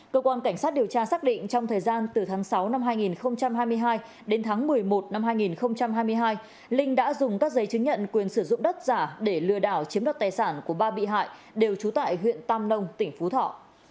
cơ quan cảnh sát điều tra xác định trong thời gian từ tháng sáu năm hai nghìn hai mươi hai đến tháng một mươi một năm hai nghìn hai mươi hai linh đã dùng các giấy chứng nhận quyền sử dụng đất giả để lừa đảo chiếm đoạt tài sản của ba bị hại đều trú tại huyện tam nông tỉnh phú thọ